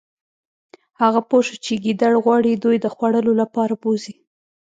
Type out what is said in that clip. هغه پوه شو چې ګیدړ غواړي دوی د خوړلو لپاره بوزي